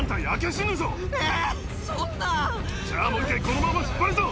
じゃあもう１回このまま引っ張るぞ。